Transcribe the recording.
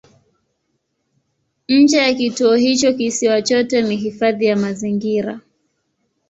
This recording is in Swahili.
Nje ya kituo hicho kisiwa chote ni hifadhi ya mazingira.